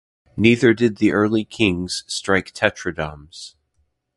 Neither did the early kings strike tetradrachms.